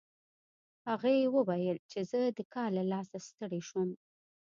هغې وویل چې زه د کار له لاسه ستړې شوم